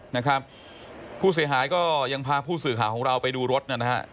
นะครับผู้เสียหายก็ยังพาผู้สื่อข่าวของเราไปดูรถนะฮะ